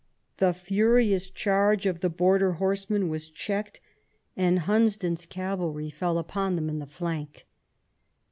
The furious charge of the border horsemen was checked, and Hunsdon's cavalry fell upon them in the flank.